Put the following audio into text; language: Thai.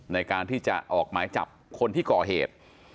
ในการที่จะออกหมายจับคนที่ก่อเหตุ